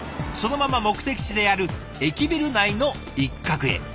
そのまま目的地である駅ビル内の一角へ。